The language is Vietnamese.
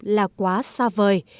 là quá xa vời